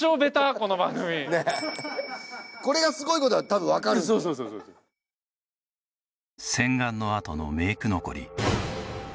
この番組ねえこれがすごいことがたぶんわかるそうそうそうそうあっ！